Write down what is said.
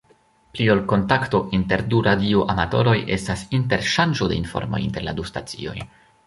Pli ol kontakto inter du radioamatoroj estas interŝanĝo de informoj inter la du stacioj.